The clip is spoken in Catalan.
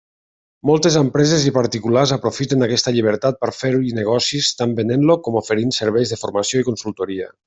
Moltes empreses i particulars aprofiten aquesta llibertat per fer-hi negocis, tant venent-lo com oferint serveis de formació i consultoria.